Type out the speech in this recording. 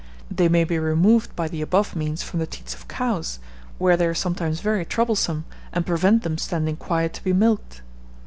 They may be removed by the above means from the teats of cows, where they are sometimes very troublesome, and prevent them standing quiet to be milked.